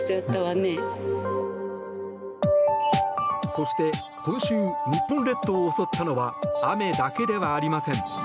そして、今週日本列島を襲ったのは雨だけではありません。